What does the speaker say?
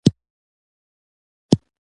عالیه واک پېژندنه